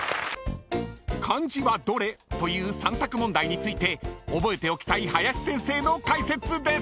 ［漢字はどれ？という３択問題について覚えておきたい林先生の解説です］